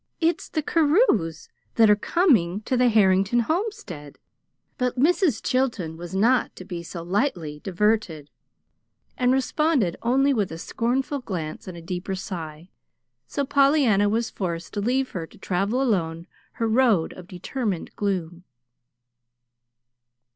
"It's the Carews that are COMING TO THE HARRINGTON HOMESTEAD!" But Mrs. Chilton was not to be so lightly diverted, and responded only with a scornful glance and a deeper sigh, so Pollyanna was forced to leave her to travel alone her road of determined gloom.